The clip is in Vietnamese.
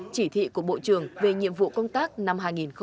chỉ thị của bộ trưởng về nhiệm vụ công tác năm hai nghìn hai mươi